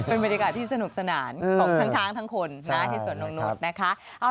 เป็นบริการที่สนุกสนานของทั้งช้างทั้งคนที่ส่วนโน่นนะคะ